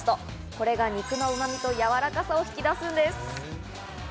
これが肉のうま味とやわらかさを引き出すんです。